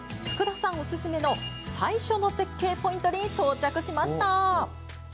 福田さんおすすめの最初の絶景ポイントに到着しました。